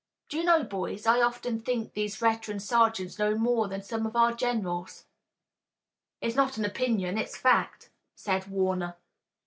Do you know, boys, I often think these veteran sergeants know more than some of our generals." "It's not an opinion. It's a fact," said Warner.